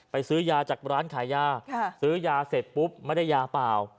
ซื้อยาจากร้านขายยาซื้อยาเสร็จปุ๊บไม่ได้ยาเปล่า